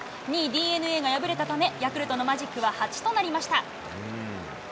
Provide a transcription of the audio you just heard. ２位ＤｅＮＡが敗れたため、ヤクルトのマジックは８となりました。